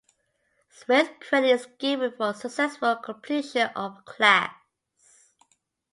Smith credit is given for a successful completion of a class.